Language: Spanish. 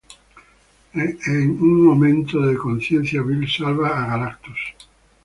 En un momento de conciencia, Bill salva a Galactus.